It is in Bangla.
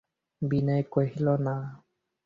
বিনয় কহিল, না।